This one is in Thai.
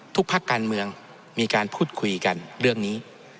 ภาคการเมืองมีการพูดคุยกันเรื่องนี้